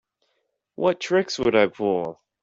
What tricks would I pull?